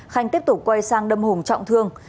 khanh tiếp tục quay sang đâm hùng trọng thương